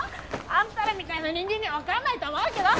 あんたらみたいな人間には分かんないと思うけど。